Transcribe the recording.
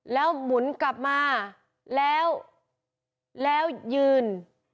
แล้วหมุนกลับมาแล้วแล้วยืน